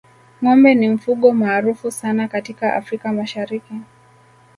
ngombe ni mfugo maarufu sana katika afrika mashariki